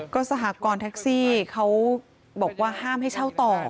ก็สหกรณ์แท็กซี่เขาบอกว่าห้ามให้เช่าต่อ